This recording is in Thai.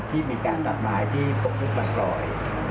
ที่มีการดัดไม้ที่ตกลุกมากรอย